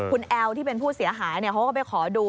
คุณแอลที่เป็นผู้เสียหายเขาก็ไปขอดู